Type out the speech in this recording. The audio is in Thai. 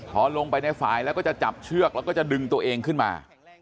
พอลงไปในฝ่ายแล้วก็จะจับเชือกแล้วก็จะดึงตัวเองขึ้นมา